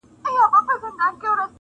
بيا به ساز بيا به نڅا بيا به نگار وو!.